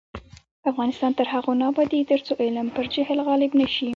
افغانستان تر هغو نه ابادیږي، ترڅو علم پر جهل غالب نشي.